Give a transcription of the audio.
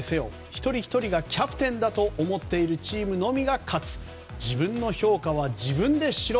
１人１人がキャプテンだと思っているチームのみが勝つ自分の評価は自分でしろ。